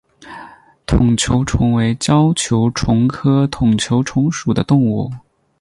筒球虫为胶球虫科筒球虫属的动物。